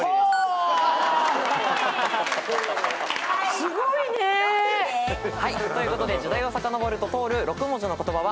すごいね！ということで時代をさかのぼると通る６文字の言葉は。